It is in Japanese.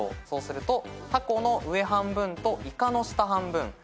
そうするとたこの上半分といかの下半分。